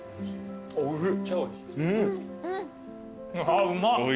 あうまっ。